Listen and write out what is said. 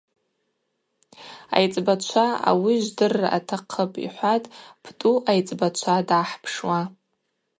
Айцӏбачва ауи жвдырра атахъыпӏ, – йхӏватӏ Птӏу айцӏбачва дгӏахӏпшуа.